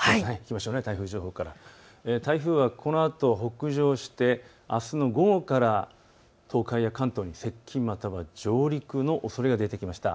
台風はこのあと北上をしてあすの午後から東海や関東に接近、または上陸のおそれが出てきました。